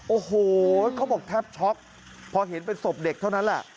โอ้โหเขาบอกแทบช็อกพอเห็นเป็นศพเด็กเท่านั้นแหละ